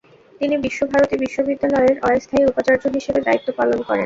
তিনি বিশ্বভারতী বিশ্ববিদ্যালয়ের অস্থায়ী উপাচার্য হিসেবে দায়িত্ব পালন করেন।